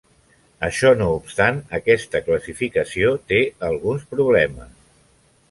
Això no obstant, aquesta classificació té alguns problemes.